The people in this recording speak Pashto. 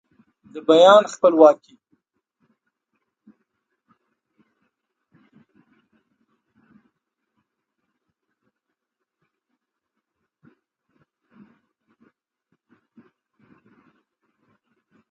د بیان خپلواکي